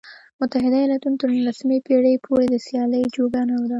متحده ایالتونه تر نولسمې پېړۍ پورې د سیالۍ جوګه نه و.